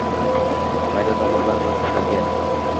Mayda tomirlar bilan qoplangan.